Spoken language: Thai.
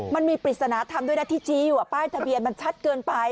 มันมีปริศนธรรมด้วยนะที่ชี้อยู่ป้ายทะเบียนมันชัดเกินไป